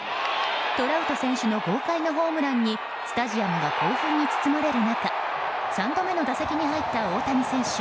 トラウト選手の豪快なホームランにスタジアムが興奮に包まれる中３度目の打席に入った大谷選手。